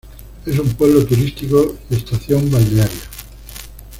Es un pueblo turístico y estación balnearia.